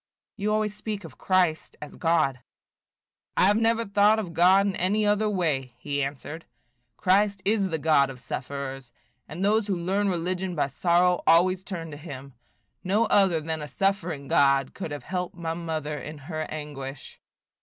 "You always speak of Christ as God." "I have never thought of God in any other way," he answered. "Christ is the God of sufferers; and those who learn religion by sorrow always turn to him. No other than a suffering God could have helped my mother in her anguish."